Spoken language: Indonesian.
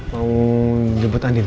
mau nyebut andin